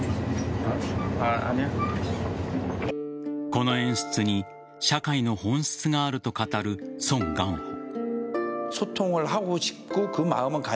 この演出に社会の本質があると語るソン・ガンホ。